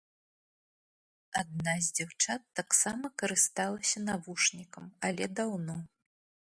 Адна з дзяўчат таксама карысталася навушнікам, але даўно.